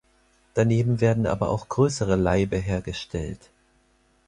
Daneben werden aber auch größere Laibe hergestellt.